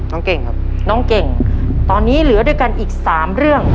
เก่งครับน้องเก่งตอนนี้เหลือด้วยกันอีกสามเรื่อง